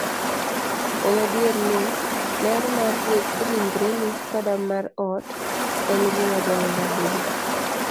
En adier ni, ler mar ringreni koda mar ot, en gima dwarore ahinya.